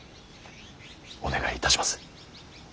お願いいたします。